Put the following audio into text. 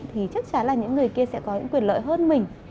thì chắc chắn là những người kia sẽ có những quyền lợi hơn mình